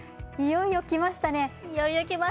いよいよ、きましたね！